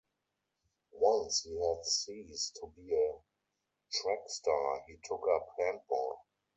Once he had ceased to be a track star, he took up handball.